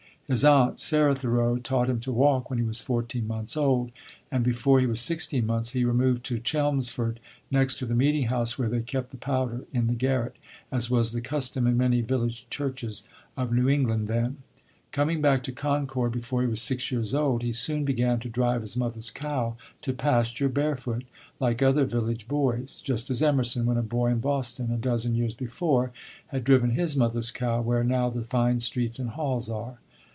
His aunt, Sarah Thoreau, taught him to walk when he was fourteen months old, and before he was sixteen months he removed to Chelmsford, "next to the meeting house, where they kept the powder, in the garret," as was the custom in many village churches of New England then. Coming back to Concord before he was six years old, he soon began to drive his mother's cow to pasture, barefoot, like other village boys; just as Emerson, when a boy in Boston, a dozen years before, had driven his mother's cow where now the fine streets and halls are.